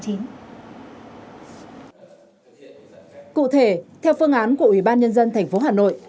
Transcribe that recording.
cụ thể theo phương án của ủy ban nhân dân tp hà nội